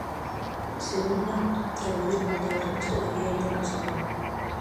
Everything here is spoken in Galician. Segunda, que a maior parte da revista debía ir en castelán.